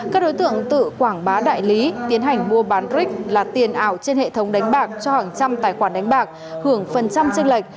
các đối tượng tự quảng bá đại lý tiến hành mua bán bric là tiền ảo trên hệ thống đánh bạc cho hàng trăm tài khoản đánh bạc hưởng phần trăm tranh lệch